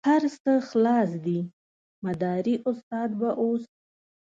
هر څه خلاص دي مداري استاد به اوس.